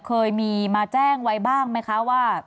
เคยมีมาแจ้งไว้บ้างไหมคะว่า